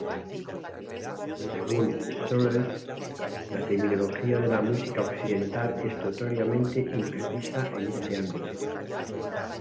Según Scholes la terminología de la música occidental es notoriamente imprecisa en este ámbito.